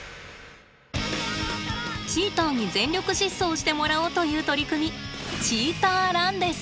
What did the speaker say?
チーターに全力疾走してもらおうという取り組みチーターランです。